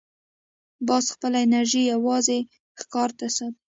باز خپله انرژي یوازې ښکار ته ساتي